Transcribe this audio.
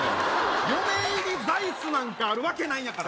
嫁入り座いすなんかあるわけないんやから。